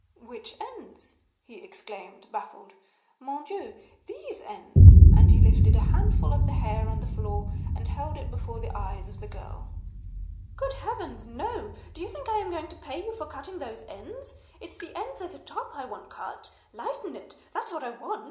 'Which ends?' he exclaimed, baffled. 'Mon Dieu! these ends,' and he lifted a handful of the hair on the floor and held it before the eyes of the girl. 'Good Heavens, no! Do you think I am going to pay you for cutting those ends? It's the ends at the top I want cut. Lighten it; that's what I want.